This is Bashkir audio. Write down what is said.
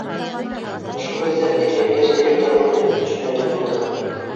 — Ошо һүҙҙәрҙе ишеткәс, директорыбыҙ иреп төшкәндәй булды.